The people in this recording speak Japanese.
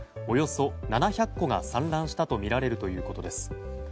およそ７００個が散乱したとみられるということです。